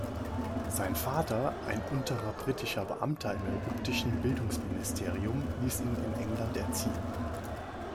Sein Vater, ein unterer britischer Beamter im ägyptischen Bildungsministerium, ließ ihn in England erziehen.